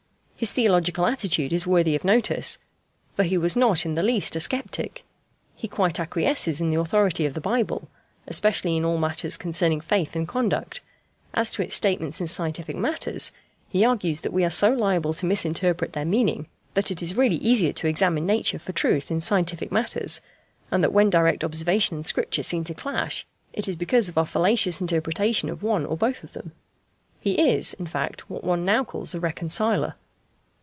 His theological attitude is worthy of notice, for he was not in the least a sceptic. He quite acquiesces in the authority of the Bible, especially in all matters concerning faith and conduct; as to its statements in scientific matters, he argues that we are so liable to misinterpret their meaning that it is really easier to examine Nature for truth in scientific matters, and that when direct observation and Scripture seem to clash, it is because of our fallacious interpretation of one or both of them. He is, in fact, what one now calls a "reconciler."